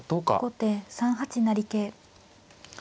後手３八成桂。